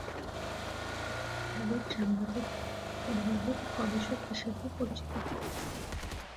তিনি ইসলামী চিন্তাবিদ, সাংবাদিক, অনুবাদক, গবেষক হিসাবেও পরিচিত।